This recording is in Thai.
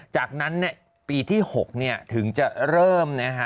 จากนั้นเนี่ยปีที่๖เนี่ยถึงจะเริ่มนะฮะ